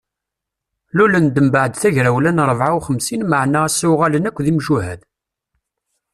Lulen-d mbeɛd tagrawla n ṛebɛa uxemsin maɛna ass-a uɣalen akk imjuhad.